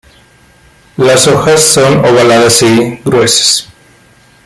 Las hojas son ovaladas y gruesas.